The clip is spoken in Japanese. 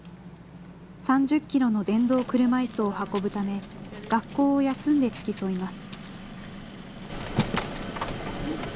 ３０キロの電動車いすを運ぶため、学校を休んで付き添います。